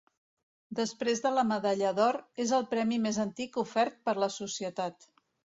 Després de la Medalla d"or, és el premi més antic ofert per la Societat.